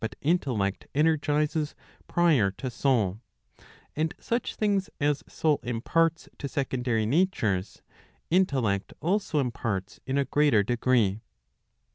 But intellect energizes prior to soul. And such things as soul imparts to secondary natures, intellect also imparts in a greater degree.